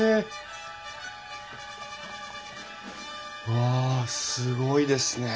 うわすごいですね。